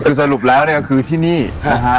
คือสรุปแล้วเนี่ยก็คือที่นี่นะฮะ